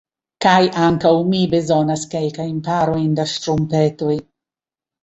Kaj ankaŭ mi bezonas kelkajn parojn da ŝtrumpetoj.